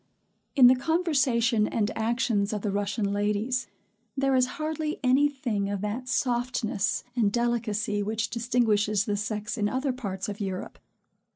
In the conversation and actions of the Russian ladies, there is hardly any thing of that softness and delicacy which distinguishes the sex in other parts of Europe.